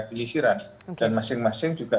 penyisiran dan masing masing juga